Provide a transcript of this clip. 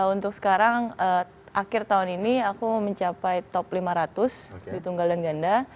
untuk sekarang akhir tahun ini aku mencapai top lima ratus di tunggal dan ganda